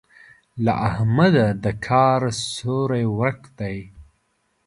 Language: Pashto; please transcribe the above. له احمده د کار سوری ورک دی.